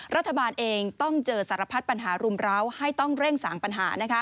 รัฐบาลเองต้องเจอสารพัดปัญหารุมร้าวให้ต้องเร่งสางปัญหา